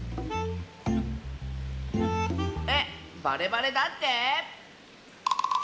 えっバレバレだって？